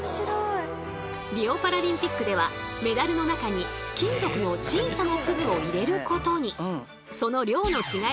リオパラリンピックではメダルの中に金属の小さな粒を入れることに！